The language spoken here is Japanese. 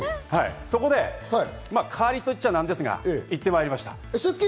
そこで代わりと言っちゃなんですが、行ってきました。